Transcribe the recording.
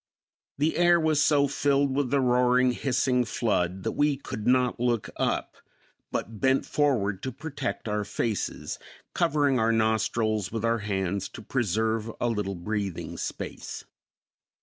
The air was so filled with the roaring, hissing flood that we could not look up, but bent forward to protect our faces, covering our nostrils with our hands to preserve a little breathing space.